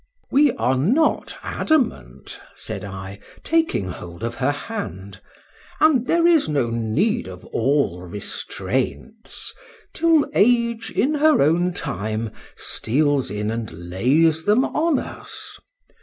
We are not adamant, said I, taking hold of her hand;—and there is need of all restraints, till age in her own time steals in and lays them on us.